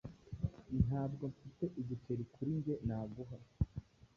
Ntabwo mfite igiceri kuri njye naguha